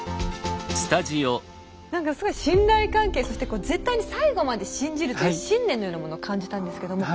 何かすごい信頼関係そして絶対に最後まで信じるという信念のようなものを感じたんですけど。